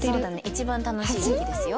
一番楽しい時期ですよ。